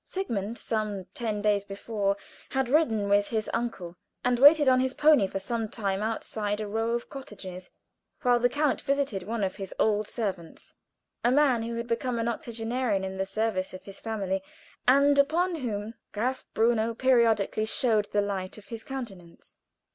Sigmund, some ten days before, had ridden with his uncle, and waited on his pony for some time outside a row of cottages, while the count visited one of his old servants, a man who had become an octogenarian in the service of his family, and upon whom Graf Bruno periodically shed the light of his countenance.